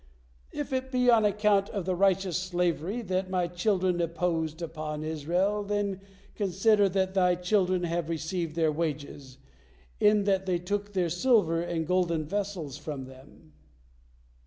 If it be on account of the rigorous slavery that my children imposed upon Israel, then consider that Thy children have received their wages, in that they took their silver and golden vessels from them."